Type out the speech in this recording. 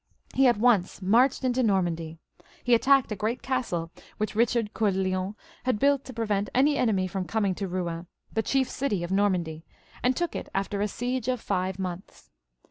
He at once marched into Normandy. He attacked a great castle which Eichard Coeur de Iion had built to prevent any enemy from coming to Eouen, the chief city of Normandy, and took it after a siege of five months.